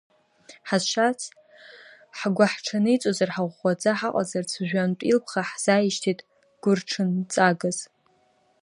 Ҳазшаз ҳгәаҳҽаниҵозар ҳаӷәӷәаӡа ҳаҟазарц жәҩантә илԥха ҳзааишьҭит гәырҽынҵагас!